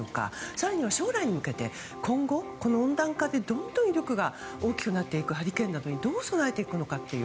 更には将来に向けて今後、温暖化でどんどん威力が大きくなっていくハリケーンなどにどう備えていくのかという。